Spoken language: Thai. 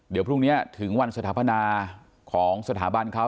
เดี๋ยวพรุ่งนี้ถึงวันสถาปนาของสถาบันเขา